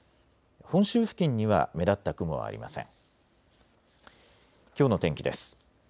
本州付近には目立った雲はありません。